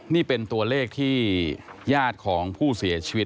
นี่เป็นตัวเลขที่ญาติของผู้เสียชีวิต